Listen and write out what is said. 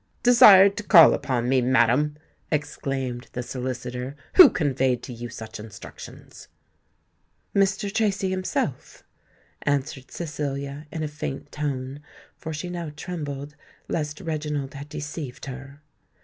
"Desired to call upon me, madam!" exclaimed the solicitor: "who conveyed to you such instructions?" "Mr. Tracy himself," answered Cecilia in a faint tone—for she now trembled lest Reginald had deceived her.